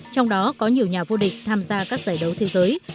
trong đó có nhiều nhà vô địch tham gia các giải đấu thế giới